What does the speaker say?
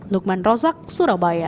lukman rozak surabaya